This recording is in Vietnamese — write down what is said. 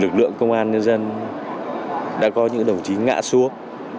lực lượng công an nhân dân đã có những đồng chí ngã xuống